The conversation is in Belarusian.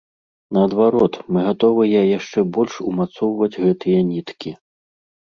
Наадварот, мы гатовыя яшчэ больш умацоўваць гэтыя ніткі.